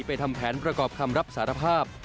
ทำแผนประกอบคำรับสารภาพ